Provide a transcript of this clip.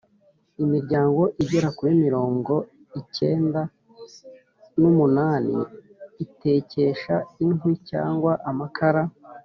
imiryango igera kuri mirongo iicyenda n’umunani itekesha inkwi cyangwa amakara.